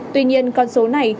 tuy nhiên con số này